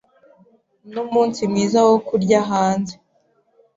Numunsi mwiza wo kurya hanze.